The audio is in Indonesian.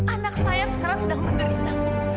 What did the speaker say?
anak saya sekarang sedang menderita